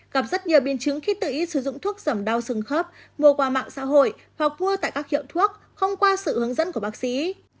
gặp rất nhiều biến chứng khi tự ý sử dụng thuốc dẩm đau sừng khớp mua qua mạng xã hội hoặc mua tại các hiệu thuốc không qua sự hướng dẫn của bác sĩ